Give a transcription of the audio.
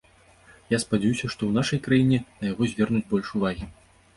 Я спадзяюся, што і ў нашай краіне на яго звернуць больш увагі.